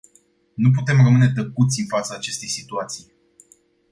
Nu putem rămâne tăcuți în fața acestei situații.